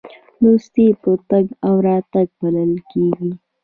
دوستي په تګ او راتګ پالل کیږي.